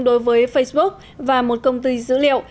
đối với facebook và một công ty dữ liệu